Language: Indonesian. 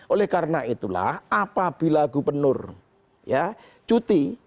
oleh karena itulah apabila gubernur ya cuti